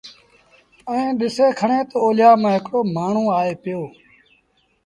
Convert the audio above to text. ائيٚݩ ڏسي کڻي تا اوليآ مآݩ هڪڙو مآڻهوٚٚݩآئي پيو